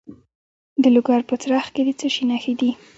د لوګر په څرخ کې د څه شي نښې دي؟